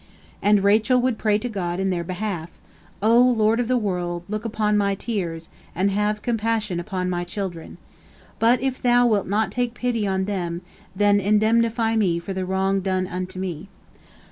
And Rachel would pray to God in their behalf: "O Lord of the world, look upon my tears, and have compassion upon my children. But if Thou wilt not take pity on them, then indemnify me for the wrong done to me."